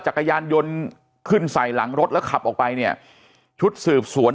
จักรยานยนต์ขึ้นใส่หลังรถแล้วขับออกไปเนี่ยชุดสืบสวน